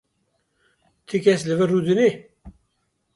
Ti kes li vir rûdine?